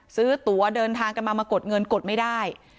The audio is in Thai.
ซื้อตัวเดินทางกันมากดเงินกดไม่ได้